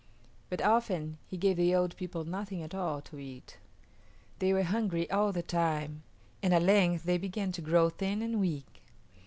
But often he gave the old people nothing at all to eat. They were hungry all the time, and at length they began to grow thin and weak.